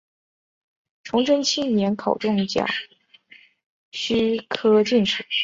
崇祯七年考中甲戌科进士。